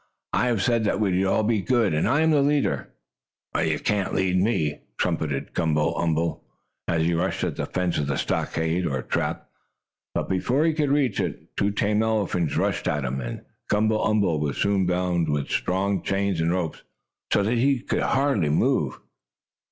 "I have said that we would all be good, and I am the leader." "You cannot lead me!" trumpeted Gumble umble, and he rushed at the fence of the stockade, or trap. But before he could reach it, two tame elephants rushed at him, and Gumble umble was soon bound with strong chains and ropes, so that he could hardly move.